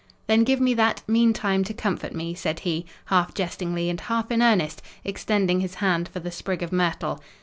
"Then give me that, meantime, to comfort me," said he, half jestingly and half in earnest, extending his hand for the sprig of myrtle.